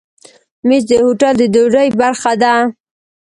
مېز د هوټل د ډوډۍ برخه ده.